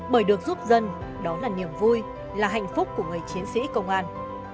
bởi được giúp dân đó là niềm vui là hạnh phúc của người chiến sĩ công an